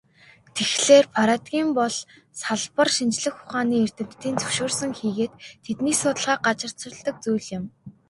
Тэгэхлээр, парадигм бол салбар шинжлэх ухааны эрдэмтдийн зөвшөөрсөн хийгээд тэдний судалгааг газарчилдаг зүйл юм.